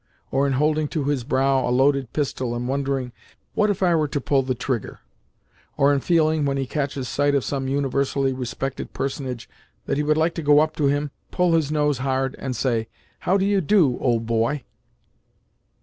or in holding to his brow a loaded pistol and wondering, "What if I were to pull the trigger?" or in feeling, when he catches sight of some universally respected personage, that he would like to go up to him, pull his nose hard, and say, "How do you do, old boy?"